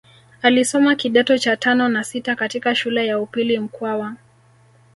Alisoma kidato cha tano na sita katika shule ya upili mkwawa